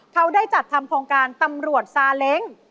เขาได้จัดทำโครงการตำรวจซาเล้ง